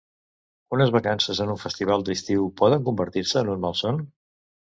Unes vacances en un festival d’estiu poden convertir-se en un malson?